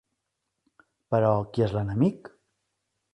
Però, qui és l'enemic?